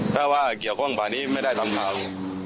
ถ้าว่าเกี่ยวข้องป่านี้ไม่ได้ทำข่าว